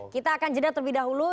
kita akan jeda terlebih dahulu